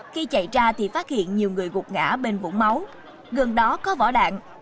khi chạy ra thì phát hiện nhiều người gục ngã bên vũ máu gần đó có vỏ đạn